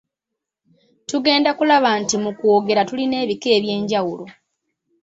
Tugenda kulaba nti mu kwogera tulina ebika eby’enjawulo.